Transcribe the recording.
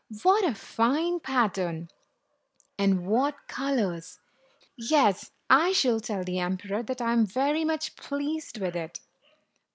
"What a fine pattern, and what colors! Yes, I shall tell the emperor that I am very much pleased with it."